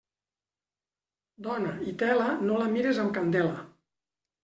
Dona i tela no la mires amb candela.